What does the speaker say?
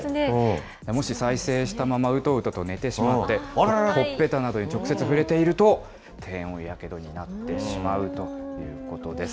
もし再生したままうとうとと寝てしまって、ほっぺたなどに直接触れていると、低温やけどになってしまうということです。